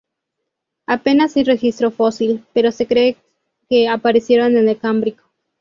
Apenas hay registro fósil, pero se cree que aparecieron en el Cámbrico.